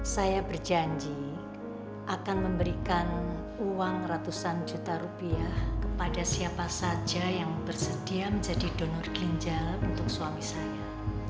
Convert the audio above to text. saya berjanji akan memberikan uang ratusan juta rupiah kepada siapa saja yang bersedia menjadi donor ginjal untuk suami saya